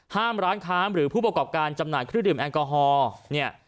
ห้ามร้านค้าหรือผู้ประกอบการจำหน่ายเครื่องดื่มแอลกอฮอล์เนี่ย